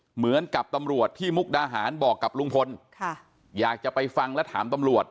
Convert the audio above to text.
เหมือนกับตำรวจที่มุกดาหารบอกกับลุงพลค่ะอยากจะไปฟังและถามตำรวจ